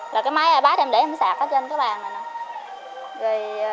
là cái máy ipad em để em sạc trên cái bàn này